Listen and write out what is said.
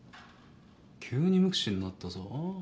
急に無口になったぞ。